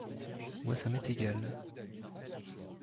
Moi ça m’est égal.